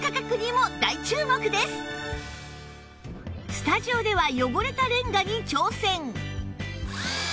スタジオでは汚れたレンガに挑戦